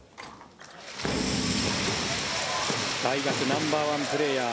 大学ナンバーワンプレーヤー。